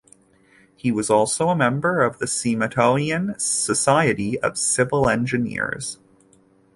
He was also a member of the Smeatonian Society of Civil Engineers.